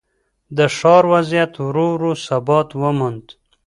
د ښار وضعیت ورو ورو ثبات وموند.